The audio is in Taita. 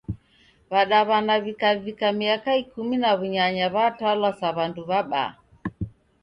W'adaw'ana w'ikavika miaka Ikumi na w'unyanya w'atalwa sa w'andu w'abaa.